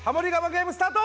ゲームスタート